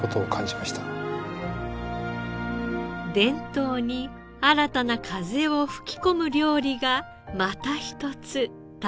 伝統に新たな風を吹き込む料理がまた一つ誕生しました。